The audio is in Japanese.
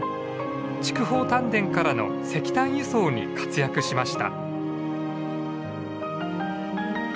筑豊炭田からの石炭輸送に活躍しました。